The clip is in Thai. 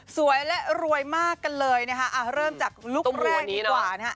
สวยและรวยมากกันเลยนะคะเริ่มจากลุคแรกดีกว่านะฮะ